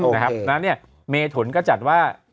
แล้วเนี่ยเมถุนก็จัดว่า